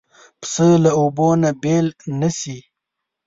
پسه له اوبو نه بېل نه شي.